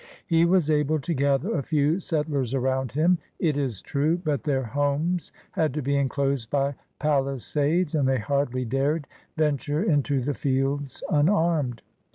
He was able to gather a few settlers aroimd him, it is true, but their homes had to be enclosed by palisades, and they hardly dared venture into the fields unarmed.